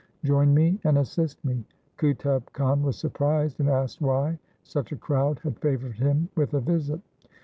Join me and assist me.' Qutub Khan was surprised, and asked why such a crowd had favoured him with a visit.